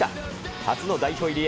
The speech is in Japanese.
初の代表入りへ、